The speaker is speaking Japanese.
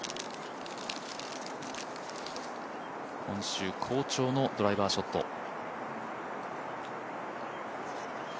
今週、好調のドライバーショット。